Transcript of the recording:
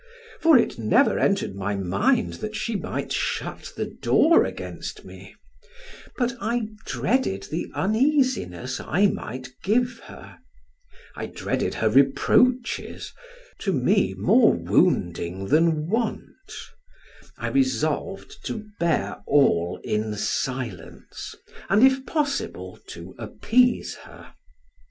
for it never entered my mind that she might shut the door against me, but I dreaded the uneasiness I might give her; I dreaded her reproaches, to me more wounding than want; I resolved to bear all in silence, and, if possible to appease her.